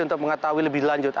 untuk mengetahui lebih lanjutnya